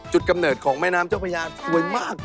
กำเนิดของแม่น้ำเจ้าพญาสวยมาก